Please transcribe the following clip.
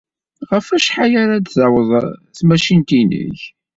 Ɣef wacḥal ara d-taweḍ tmacint-nnek?